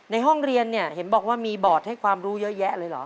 ในห้องเรียนเนี่ยเห็นบอกว่ามีบอร์ดให้ความรู้เยอะแยะเลยเหรอ